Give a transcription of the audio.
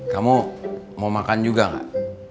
kamu mau makan juga gak